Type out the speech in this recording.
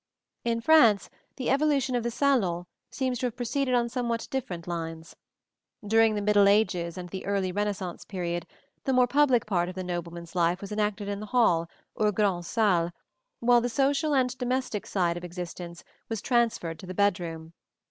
In France the evolution of the salon seems to have proceeded on somewhat different lines. During the middle ages and the early Renaissance period, the more public part of the nobleman's life was enacted in the hall, or grand'salle, while the social and domestic side of existence was transferred to the bedroom.